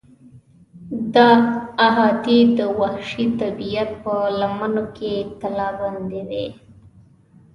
دا احاطې د وحشي طبیعت په لمنو کې کلابندې وې.